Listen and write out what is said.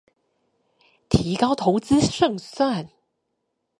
提高投資勝算